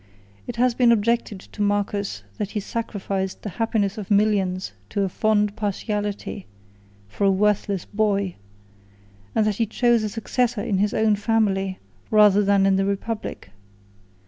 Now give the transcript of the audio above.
It has been objected to Marcus, that he sacrificed the happiness of millions to a fond partiality for a worthless boy; and that he chose a successor in his own family, rather than in the republic.